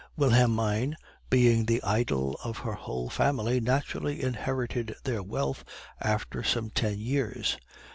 Wilhelmine, being the idol of her whole family, naturally inherited their wealth after some ten years.